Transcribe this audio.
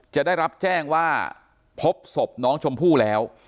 จะได้รับแจ้งว่าพบศพน้องชมพู่แล้ว